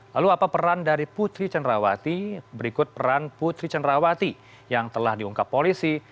lalu apa peran dari putri cenrawati berikut peran putri cenrawati yang telah diungkap polisi